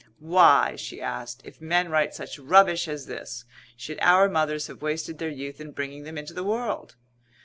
"Why," she asked, "if men write such rubbish as this, should our mothers have wasted their youth in bringing them into the world?"